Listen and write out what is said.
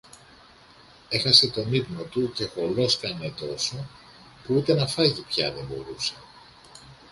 Έχασε τον ύπνο του και χολόσκανε τόσο, που ούτε να φάγει πια δεν μπορούσε.